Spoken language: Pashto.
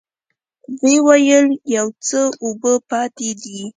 ويې ويل: يو څه اوبه پاتې دي.